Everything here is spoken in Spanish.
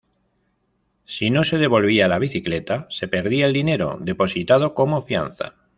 Si no se devolvía la bicicleta, se perdía el dinero depositado como fianza.